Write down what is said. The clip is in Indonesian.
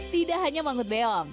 tidak hanya mangut beong